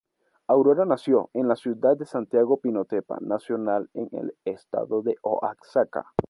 Aurora nació en la ciudad de Santiago Pinotepa Nacional en el estado de Oaxaca.